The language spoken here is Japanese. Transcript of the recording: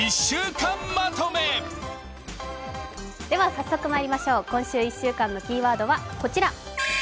では早速まいりましょう、今週１週間のキーワードはこちら。